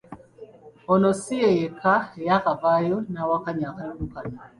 Ono ssi ye yekka eyakavaayo n'awakanya akalulu kano.